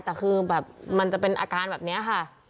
แต่คือแบบมันจะเป็นอาการแบบนี้ค่ะ